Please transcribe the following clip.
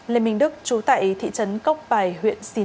lê minh đức chú tại thị trấn cốc bài huyện sài gòn